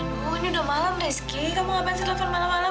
aduh ini udah malam rizky kamu ngapain malam malam